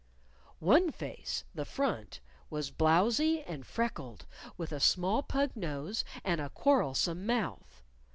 _ One face (the front) was blowzy and freckled, with a small pug nose and a quarrelsome mouth.